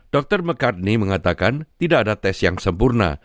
dr mekarni mengatakan tidak ada tes yang sempurna